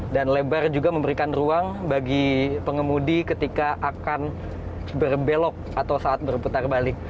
dan lebar juga memberikan ruang bagi pengemudi ketika akan berbelok atau saat berputar balik